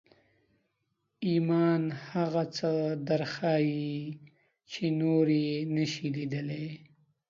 ایمان هغه څه درښيي چې نور یې نشي لیدلی